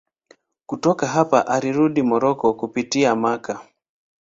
Kutoka hapa alirudi Moroko kupitia Makka.